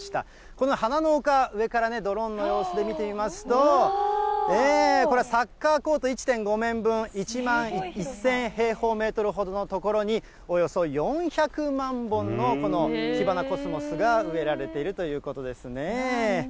この花の丘、上からドローンの様子で見てみますと、これ、サッカーコート１．５面分、１万１０００平方メートルほどの所に、およそ４００万本の、このキバナコスモスが植えられているということですね。